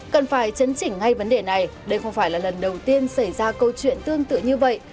cần phải chấn chỉnh ngay vấn đề này đây không phải là lần đầu tiên xảy ra câu chuyện tương tự như vậy